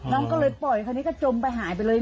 น้องก็เลยปล่อยคราวนี้ก็จมไปหายไปเลย